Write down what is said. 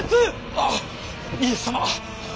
あっ家康様！